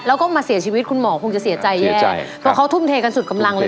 แล้วก็มาเสียชีวิตคุณหมอคงจะเสียใจแย่เพราะเขาทุ่มเทกันสุดกำลังเลย